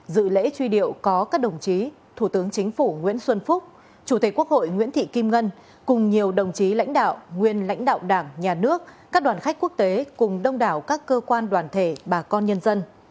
dự lễ truy điệu có các đồng chí thủ tướng chính phủ nguyễn xuân phúc chủ tịch quốc hội nguyễn thị kim ngân cùng nhiều đồng chí lãnh đạo nguyên lãnh đạo đảng nhà nước các đoàn khách quốc tế cùng đông đảo các cơ quan đoàn thể bà con nhân dân